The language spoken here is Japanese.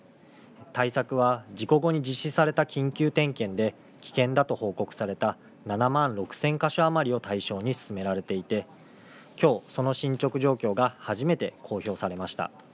対策は事故後に実施された緊急点検で危険だと報告された７万６０００か所余りを対象に進められていてきょう、その進捗状況が初めて公表されました。